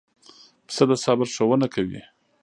پسه د صبر ښوونه کوي.